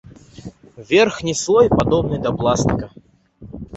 Верхні слой падобны да пластыка.